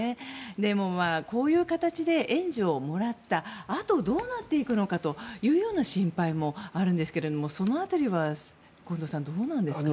でも、こういう形で援助をもらったあとどうなっていくのかという心配もあるんですけどその辺りは、近藤さんどうなんですかね。